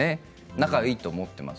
仲がいいと思っています。